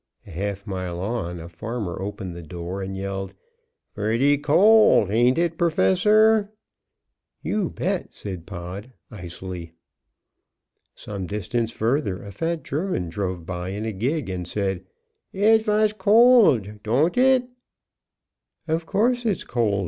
A half mile on a farmer opened the door and yelled: "Pretty cold, hain't it, Professor?" "You bet," said Pod, icily. Some distance further a fat German drove by in a gig and said: "It vash cold don't it?" "'Course it's cold!"